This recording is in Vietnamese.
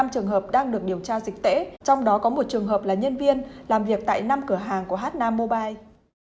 năm trường hợp đang được điều tra dịch tễ trong đó có một trường hợp là nhân viên làm việc tại năm cửa hàng của hna mobile